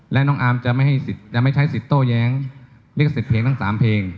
และน้องอาร์มจะไม่ใช้สิทธิโต้แย้งลิขสิทธิ์เพลงทั้ง๓เพลง